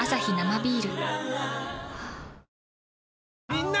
みんな！